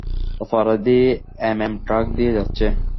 অপরাধী এমএম ট্র্যাক দিয়ে যাচ্ছে।